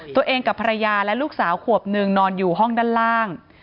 ตัวเองกับภรรยาและลูกสาวขวบหนึ่งนอนอยู่ห้องด้านล่าง